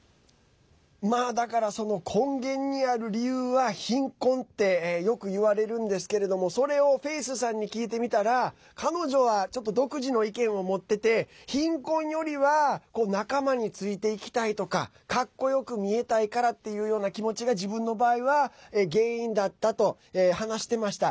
だから、根源にある理由は貧困ってよく言われるんですけれどもそれをフェイスさんに聞いてみたら彼女はちょっと独自の意見を持ってて貧困よりは仲間についていきたいとかかっこよく見えたいからっていうような気持ちが自分の場合は原因だったと話してました。